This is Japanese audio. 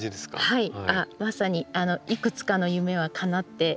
はい。